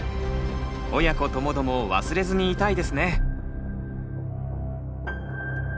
親子ともども忘れずにいたいですね。